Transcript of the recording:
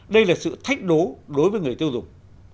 đây là sự thách đối với người tiêu dùng